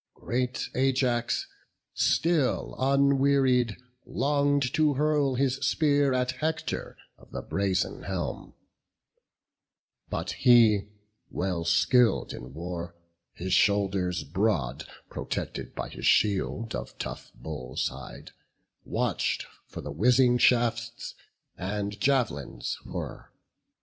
Great Ajax still, unwearied, long'd to hurl His spear at Hector of the brazen helm; But he, well skill'd in war, his shoulders broad Protected by his shield of tough bull's hide, Watch'd for the whizzing shafts, and jav'lins' whirr.